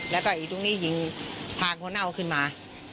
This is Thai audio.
แล้วก็อีกตรงนี้ยิงผ่านข้างหน้าเขาขึ้นมา